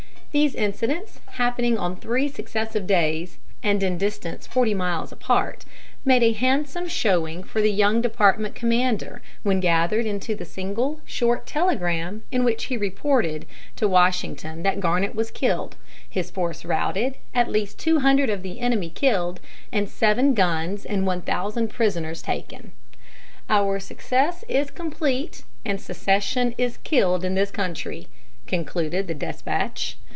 These incidents, happening on three successive days, and in distance forty miles apart, made a handsome showing for the young department commander when gathered into the single, short telegram in which he reported to Washington that Garnett was killed, his force routed, at least two hundred of the enemy killed, and seven guns and one thousand prisoners taken. "Our success is complete, and secession is killed in this country," concluded the despatch.